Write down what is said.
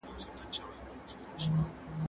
ټولنپوهنه د ټولنیزو اړیکو علم دی.